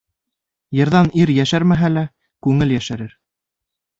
Йырҙан ир йәшәрмәһә лә, күңел йәшәрер.